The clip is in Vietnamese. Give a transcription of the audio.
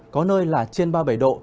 có nơi là trên ba mươi bảy độ